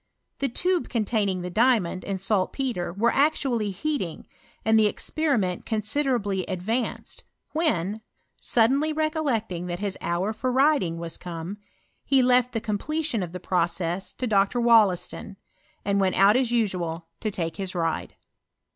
The tube containing the diamond and saltpetre were actually beating, and the experiment considerably advanced, when, sud denly recollecting tliat his hour for riding wai ootue, he left the completion of the process to Dr. Wollaston, and went out as usual to take hia ride.